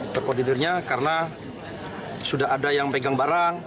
terkoordinirnya karena sudah ada yang pegang barang